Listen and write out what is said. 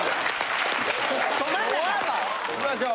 いきましょう。